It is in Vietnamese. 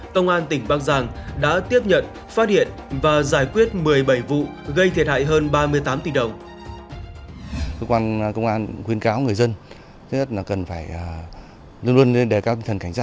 công an tỉnh bắc giang đã tiếp nhận phát hiện và giải quyết một mươi bảy vụ gây thiệt hại hơn ba mươi tám tỷ đồng